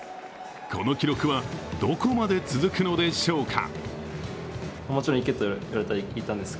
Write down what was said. この記録はどこまで続くのでしょうか。